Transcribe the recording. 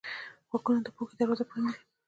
غوږونه د پوهې دروازه پرانیزي